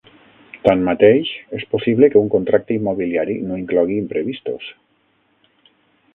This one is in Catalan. Tanmateix, és possible que un contracte immobiliari no inclogui imprevistos.